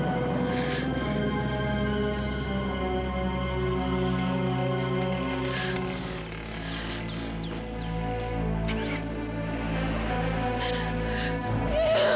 bukan mengawali aucune pengalitan